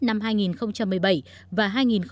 năm hai nghìn một mươi bảy và hai nghìn một mươi chín